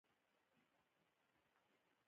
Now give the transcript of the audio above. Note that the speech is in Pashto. بل دښمن ته يو داسې غاښ ماتونکى ځواب ورکړل.